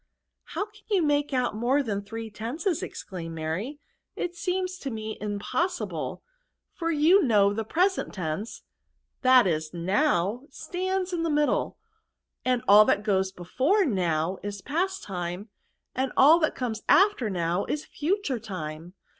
'' How ca^ you m^e out more than three* tenses? exclaimed Mary :'' it seems, to me; impossible ; for you vkilPW the present tense. VERBS. 257 that iS| noWf stands in the middle, and all that goes before now is past time, and all comes ^ft6r now is future time.